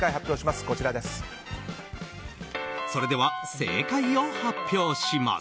では、正解を発表します。